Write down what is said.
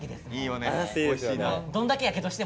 おいしいね。